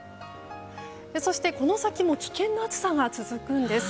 そして、この先も危険な暑さが続くんです。